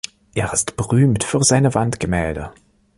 Er ist berühmt für seine Wandgemälde.